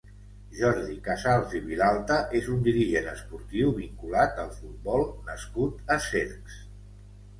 Jordi Casals i Vilalta és un dirigent esportiu vinculat al futbol nascut a Cercs.